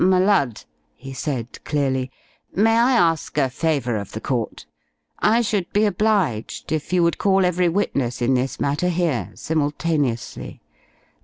"M' Lud," he said clearly, "may I ask a favour of the court? I should be obliged if you would call every witness in this matter here simultaneously.